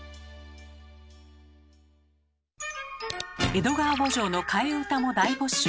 「江戸川慕情」の替え歌も大募集。